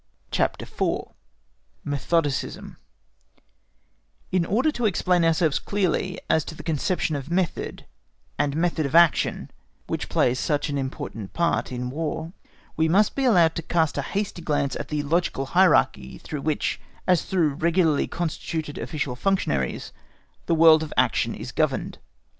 CHAPTER IV. Methodicism In order to explain ourselves clearly as to the conception of method, and method of action, which play such an important part in War, we must be allowed to cast a hasty glance at the logical hierarchy through which, as through regularly constituted official functionaries, the world of action is governed.